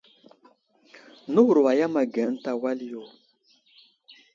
Nəwuro a yam age ənta wal yo.